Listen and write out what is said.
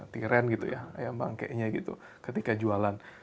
tiren gitu ya ayam bangke nya gitu ketika jualan